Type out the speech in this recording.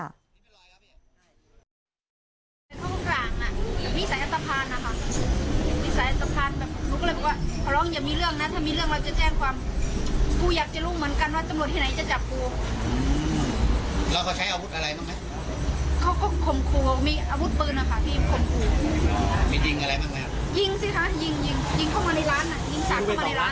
ยิงเข้ามาในร้านน่ะยิง๓นัดเข้ามาในร้าน